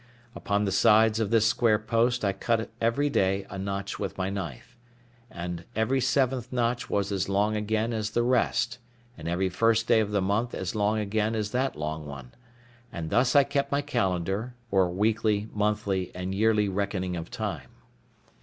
Upon the sides of this square post I cut every day a notch with my knife, and every seventh notch was as long again as the rest, and every first day of the month as long again as that long one; and thus I kept my calendar, or weekly, monthly, and yearly reckoning of time.